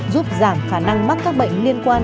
giúp giảm khả năng mắc các bệnh liên quan